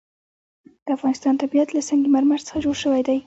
د افغانستان طبیعت له سنگ مرمر څخه جوړ شوی دی.